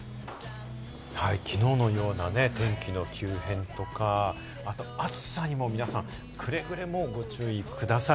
きのうのような天気の急変とか、あと暑さにも皆さん、くれぐれもご注意ください。